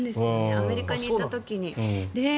アメリカにいた時に。